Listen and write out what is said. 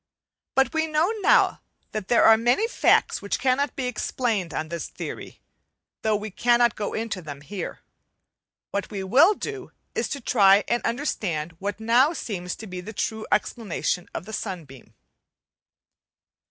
But we know now that there are many facts which cannot be explained on this theory, though we cannot go into them here. What we will do, is to try and understand what now seems to be the true explanation of the sunbeam.